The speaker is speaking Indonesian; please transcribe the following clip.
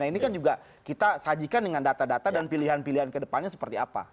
nah ini kan juga kita sajikan dengan data data dan pilihan pilihan kedepannya seperti apa